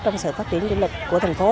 trong sự phát triển du lịch của thành phố